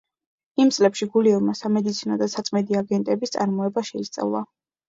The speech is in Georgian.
იმ წლებში გულიევმა სამედიცინო და საწმენდი აგენტების წარმოება შეისწავლა.